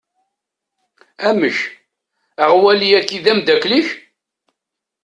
Amek, aɣwali-agi d ameddakel-ik?